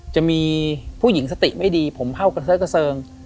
จะมีผู้หญิงสติไม่ดีผมเผ่ากระเซิกกระเซิง